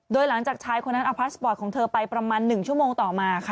โดยหลังจากชายคนนั้นเอาพาสปอร์ตของเธอไปประมาณ๑ชั่วโมงต่อมาค่ะ